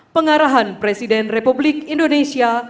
pengarahan presiden republik indonesia